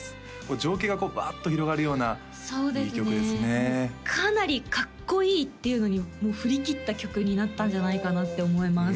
情景がバッと広がるようないい曲ですねかなりかっこいいっていうのにもう振りきった曲になったんじゃないかなって思います